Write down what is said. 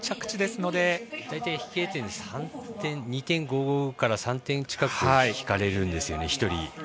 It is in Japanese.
大体飛型点で２．５から３点近く引かれるんですよね、１人。